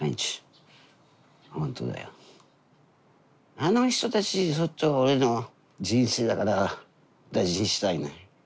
あの人たち俺の人生だから大事にしたいね。